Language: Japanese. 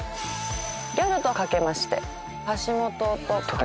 ギャルとかけまして橋本と解きます。